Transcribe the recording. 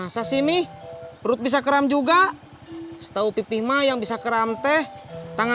sampai jumpa di video selanjutnya